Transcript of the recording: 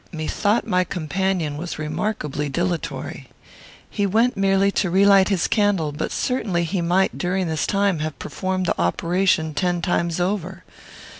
Methought my companion was remarkably dilatory. He went merely to relight his candle, but certainly he might, during this time, have performed the operation ten times over.